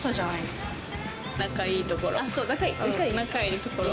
仲いいところ。